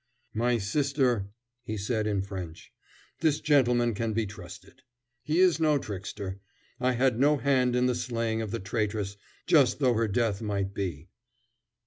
"My sister," he said in French, "this gentleman can be trusted. He is no trickster. I had no hand in the slaying of the traitress, just though her death might be."